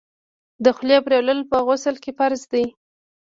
د خولې پریولل په غسل کي فرض دي.